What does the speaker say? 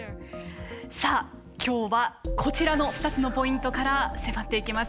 さあ、きょうはこちらの２つのポイントから迫っていきます。